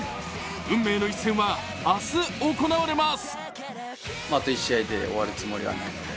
運命の一戦は明日行われます。